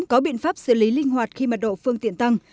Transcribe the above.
có biện pháp xử lý linh hoạt khi mật độ phương tiện tăng